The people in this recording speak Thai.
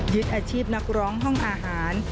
อาชีพนักร้องห้องอาหาร